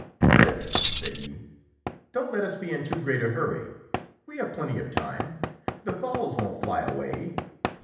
"Fritz," said he, "don't let us be in too great a hurry; we have plenty of time; the fowls won't fly away.